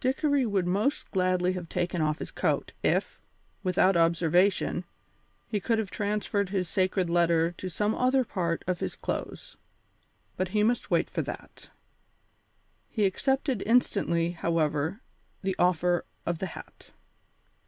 Dickory would most gladly have taken off his coat if, without observation, he could have transferred his sacred letter to some other part of his clothes, but he must wait for that. He accepted instantly, however, the offer of the hat.